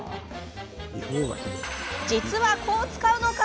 実は、こう使うのか。